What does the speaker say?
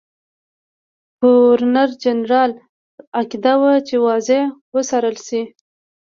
ګورنرجنرال عقیده وه چې وضع وڅارله شي.